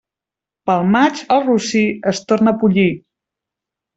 Pel maig, el rossí es torna pollí.